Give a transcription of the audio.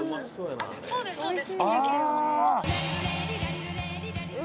そうですそうです。